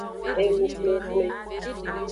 Enuxwlexwle.